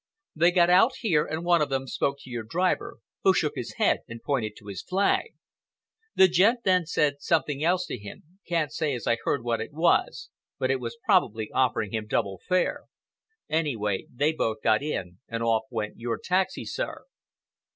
They got out here and one of them spoke to your driver, who shook his head and pointed to his flag. The gent then said something else to him—can't say as I heard what it was, but it was probably offering him double fare. Anyway, they both got in and off went your taxi, sir."